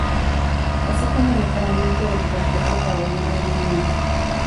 Así como el mejoramiento del Cuartel de Caballería de Güines.